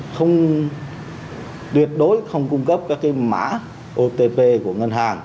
không tuyệt đối không cung cấp các mã otp của ngân hàng